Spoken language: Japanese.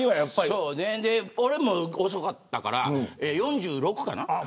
そうね、俺も遅かったから４６かな。